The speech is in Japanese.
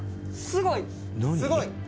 「すごい？」